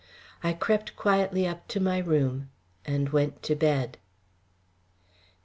I crept quietly up to my room and went to bed.